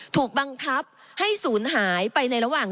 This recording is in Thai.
ถูกบังคับให้ศูนย์หายไปในระหว่าง